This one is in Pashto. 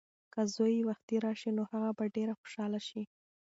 که زوی یې وختي راشي نو هغه به ډېره خوشحاله شي.